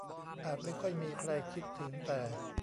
อาจไม่ค่อยมีใครคิดถึงแต่